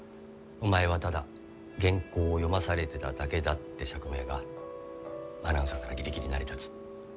お前はただ原稿を読まされてただけだって釈明がアナウンサーならぎりぎり成り立つ。